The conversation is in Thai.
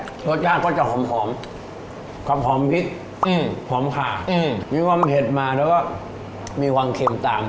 รสชาติก็จะหอมความหอมพริกหอมขาอืมมีความเผ็ดมาแล้วก็มีความเค็มตาม